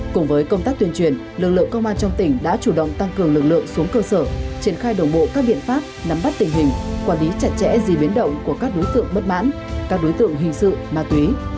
cùng với công tác tuyên truyền lực lượng công an trong tỉnh đã chủ động tăng cường lực lượng xuống cơ sở triển khai đồng bộ các biện pháp nắm bắt tình hình quản lý chặt chẽ gì biến động của các đối tượng bất mãn các đối tượng hình sự ma túy